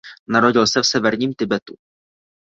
Narodil se v severním Tibetu.